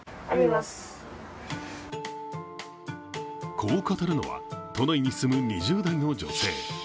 こう語るのは都内に住む２０代の女性。